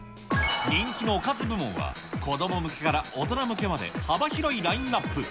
人気のおかず部門は、子ども向けから大人向けまで、幅広いラインナップ。